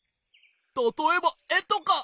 たとえばえとか！